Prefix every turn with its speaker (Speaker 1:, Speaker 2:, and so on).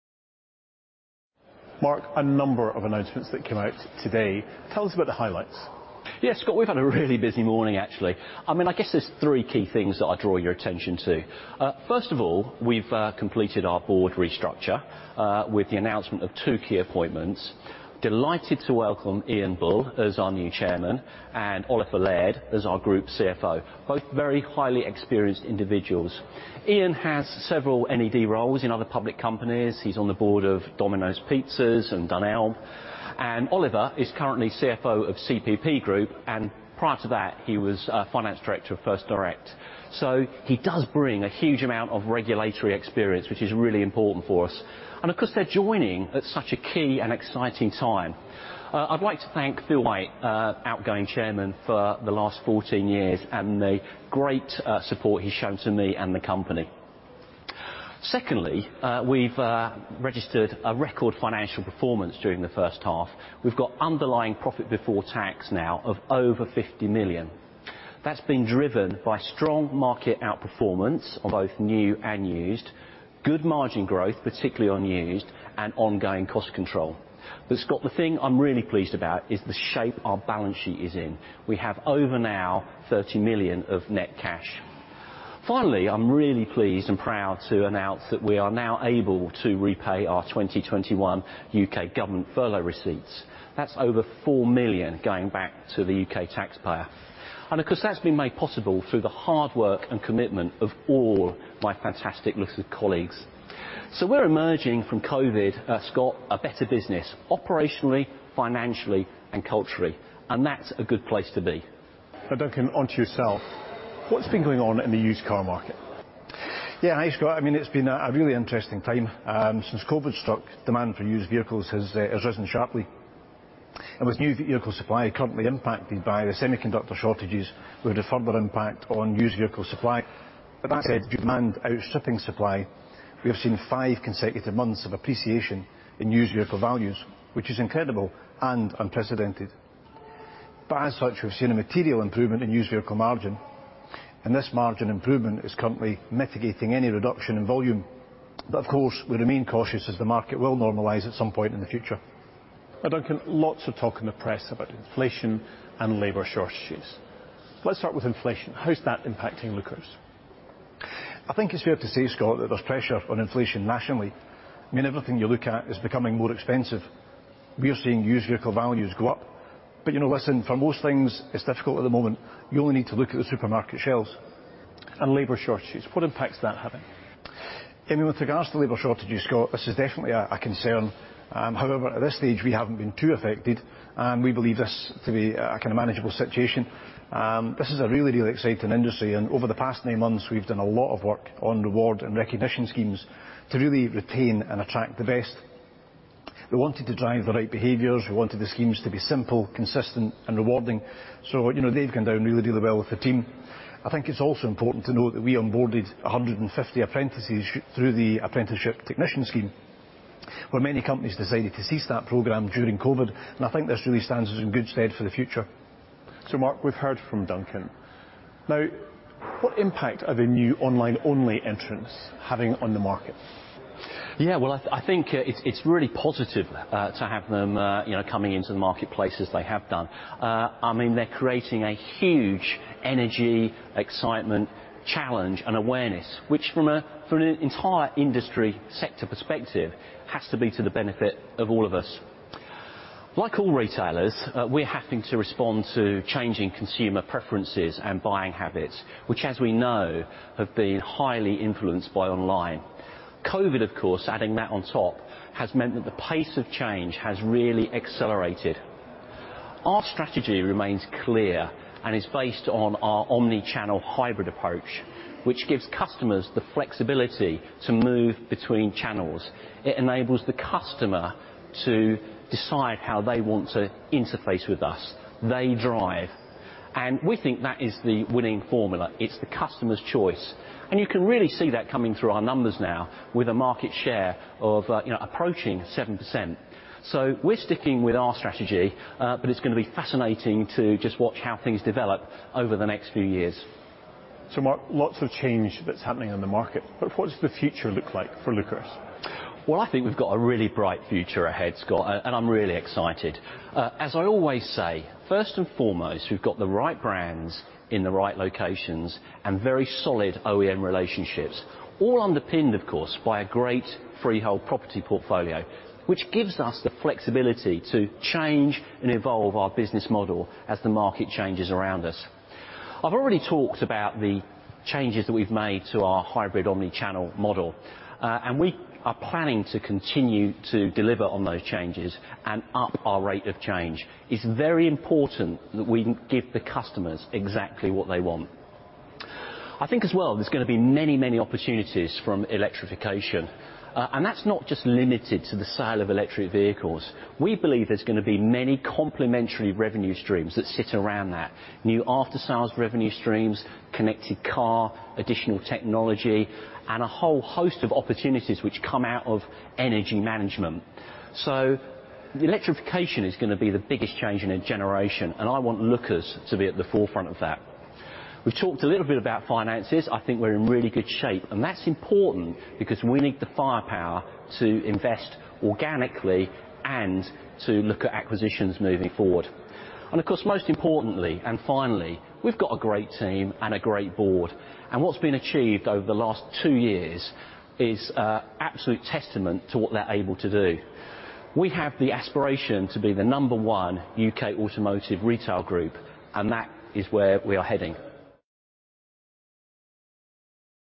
Speaker 1: Mark, a number of announcements that came out today. Tell us about the highlights.
Speaker 2: Yeah, Scott, we've had a really busy morning, actually. I guess there's three key things that I'd draw your attention to. First of all, we've completed our board restructure with the announcement of two key appointments. Delighted to welcome Ian Bull as our new Chairman and Oliver Laird as our group CFO. Both very highly experienced individuals. Ian has several NED roles in other public companies. He's on the board of Domino's Pizza and Dunelm. Oliver is currently CFO of CPP Group. Prior to that, he was finance director of First Direct. He does bring a huge amount of regulatory experience, which is really important for us. Of course, they're joining at such a key and exciting time. I'd like to thank Phil White, outgoing Chairman for the last 14 years, and the great support he's shown to me and the company. We've registered a record financial performance during the first half. We've got underlying profit before tax now of over 50 million. That's been driven by strong market outperformance on both new and used, good margin growth, particularly on used, and ongoing cost control. Scott, the thing I'm really pleased about is the shape our balance sheet is in. We have over now 30 million of net cash. I'm really pleased and proud to announce that we are now able to repay our 2021 U.K. government furlough receipts. That's over 4 million going back to the U.K. taxpayer. Of course, that's been made possible through the hard work and commitment of all my fantastic Lookers colleagues. We're emerging from COVID, Scott, a better business, operationally, financially and culturally, and that's a good place to be.
Speaker 1: Now Duncan, onto yourself. What's been going on in the used car market?
Speaker 3: Yeah. Hi, Scott. It's been a really interesting time. Since COVID struck, demand for used vehicles has risen sharply, and with new vehicle supply currently impacted by the semiconductor shortages, would have further impact on used vehicle supply. That said, demand outstripping supply, we have seen five consecutive months of appreciation in used vehicle values, which is incredible and unprecedented. As such, we've seen a material improvement in used vehicle margin, and this margin improvement is currently mitigating any reduction in volume. Of course, we remain cautious as the market will normalize at some point in the future.
Speaker 1: Now Duncan, lots of talk in the press about inflation and labor shortages. Let's start with inflation. How's that impacting Lookers?
Speaker 3: I think it's fair to say, Scott, that there's pressure on inflation nationally. Everything you look at is becoming more expensive. We are seeing used vehicle values go up. Listen, for most things it's difficult at the moment. You only need to look at the supermarket shelves.
Speaker 1: Labor shortages, what impact is that having?
Speaker 3: With regards to labor shortages, Scott, this is definitely a concern. At this stage we haven't been too affected, and we believe this to be a manageable situation. This is a really, really exciting industry, and over the past nine months, we've done a lot of work on reward and recognition schemes to really retain and attract the best. We wanted to drive the right behaviors. We wanted the schemes to be simple, consistent, and rewarding. They've gone down really, really well with the team. I think it's also important to note that we onboarded 150 apprentices through the Apprenticeship Technician scheme, where many companies decided to cease that program during COVID, and I think this really stands us in good stead for the future.
Speaker 1: Mark, we've heard from Duncan. What impact are the new online-only entrants having on the market?
Speaker 2: Yeah. Well, I think it's really positive to have them coming into the marketplace as they have done. They're creating a huge energy, excitement, challenge and awareness, which from an entire industry sector perspective, has to be to the benefit of all of us. Like all retailers, we're having to respond to changing consumer preferences and buying habits, which as we know, have been highly influenced by online. COVID, of course, adding that on top, has meant that the pace of change has really accelerated. Our strategy remains clear and is based on our omni-channel hybrid approach, which gives customers the flexibility to move between channels. It enables the customer to decide how they want to interface with us. They drive. We think that is the winning formula. It's the customer's choice. You can really see that coming through our numbers now with a market share of approaching 7%. We're sticking with our strategy, but it's going to be fascinating to just watch how things develop over the next few years.
Speaker 1: Mark, lots of change that's happening in the market, but what does the future look like for Lookers?
Speaker 2: Well, I think we've got a really bright future ahead, Scott, and I'm really excited. As I always say, first and foremost, we've got the right brands in the right locations and very solid OEM relationships, all underpinned, of course, by a great freehold property portfolio, which gives us the flexibility to change and evolve our business model as the market changes around us. I've already talked about the changes that we've made to our hybrid omni-channel model. We are planning to continue to deliver on those changes and up our rate of change. It's very important that we give the customers exactly what they want. I think as well, there's going to be many, many opportunities from electrification, and that's not just limited to the sale of electric vehicles. We believe there's going to be many complementary revenue streams that sit around that. New aftersales revenue streams, connected car, additional technology, and a whole host of opportunities which come out of energy management. The electrification is going to be the biggest change in a generation, and I want Lookers to be at the forefront of that. We've talked a little bit about finances. I think we're in really good shape, and that's important because we need the firepower to invest organically and to look at acquisitions moving forward. Of course, most importantly and finally, we've got a great team and a great board. What's been achieved over the last two years is a absolute testament to what they're able to do. We have the aspiration to be the number one U.K. automotive retail group, and that is where we are heading.